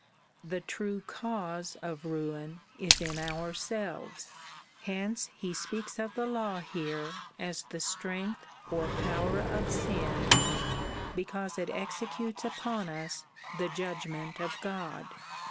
The true cause of ruin is in ourselves. Hence he speaks of the law here as tlie strength or power of sin, because it executes upon us the judgment of God.